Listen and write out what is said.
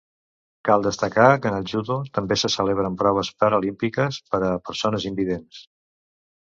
Cal destacar que en el Judo també se celebren proves paralímpiques per a persones invidents.